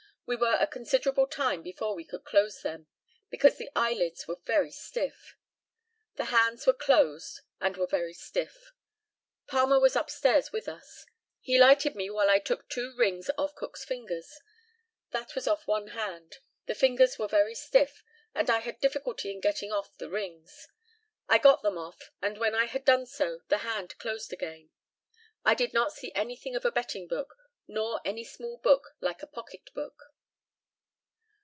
We were a considerable time before we could close them, because the eyelids were very stiff. The hands were closed, and were very stiff. Palmer was upstairs with us. He lighted me while I took two rings off Cook's fingers. That was off one hand. The fingers were very stiff, and I had difficulty in getting off the rings. I got them off, and when I had done so the hand closed again. I did not see anything of a betting book, nor any small book like a pocketbook.